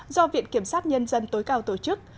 do viện kiểm sát nhân dân tối cao tổ chức